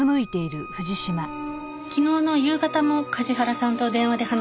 昨日の夕方も梶原さんと電話で話しましたね。